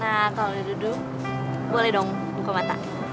nah kalau udah duduk boleh dong buka mata